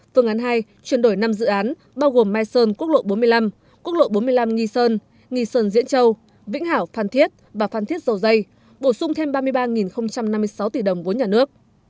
phương án hai chuyển đổi năm dự án bao gồm mai sơn quốc lộ bốn mươi năm quốc lộ bốn mươi năm nghi sơn nghì sơn diễn châu vĩnh hảo phan thiết và phan thiết dầu dây bổ sung thêm ba mươi ba năm mươi sáu tỷ đồng vốn nhà nước